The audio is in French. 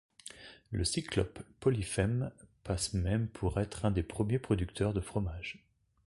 Le cyclope Polyphème passe même pour être un des premiers producteurs de fromage.